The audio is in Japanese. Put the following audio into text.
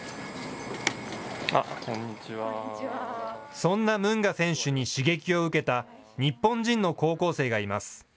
そんなムンガ選手に刺激を受けた日本人の高校生がいます。